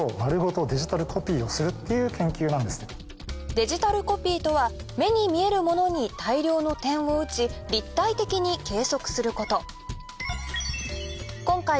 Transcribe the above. デジタルコピーとは目に見えるものに大量の点を打ち立体的に計測すること